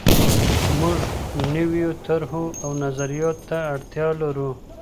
موږ نویو طرحو او نظریاتو ته اړتیا لرو.